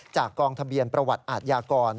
จากกองทะเบียนประวัติอาทยากร